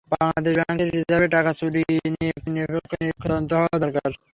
বাংলাদেশ ব্যাংকের রিজার্ভের টাকা চুরি নিয়ে একটি নিরপেক্ষ নিরীক্ষা তদন্ত হওয়া দরকার।